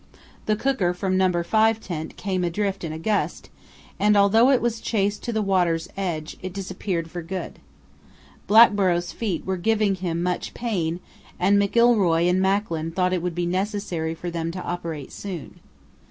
The cooker from No. 5 tent came adrift in a gust, and, although it was chased to the water's edge, it disappeared for good. Blackborrow's feet were giving him much pain, and McIlroy and Macklin thought it would be necessary for them to operate soon.